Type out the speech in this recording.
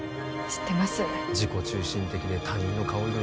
知ってます